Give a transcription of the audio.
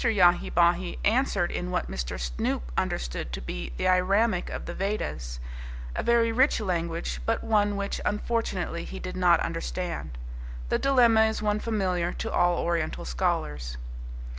Yahi Bahi answered in what Mr. Snoop understood to be the Iramic of the Vedas, a very rich language, but one which unfortunately he did not understand. The dilemma is one familiar to all Oriental scholars.